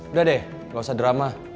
udah deh gak usah drama